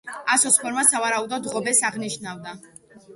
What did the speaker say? ასოს ფორმა სავარაუდოდ ღობეს აღნიშნავდა.